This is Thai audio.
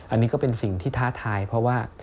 อันนี้ก็เป็นสิ่งที่ท้าทายเพราะว่า